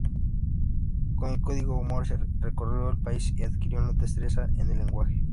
Con el código Morse recorrió el país y adquirió destreza en el lenguaje.